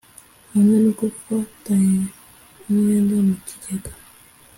hamwe no gufata umwenda mu kigega